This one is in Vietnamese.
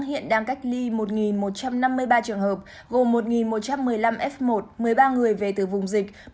hiện đang cách ly một một trăm năm mươi ba trường hợp gồm một một trăm một mươi năm f một một mươi ba người về từ vùng dịch